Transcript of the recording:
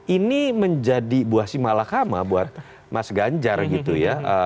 ini menjadi buah simalakama buat mas ganjar gitu ya